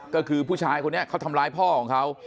ก็คือผู้ชายคนนี้เขาทำร้ายพ่อของเขา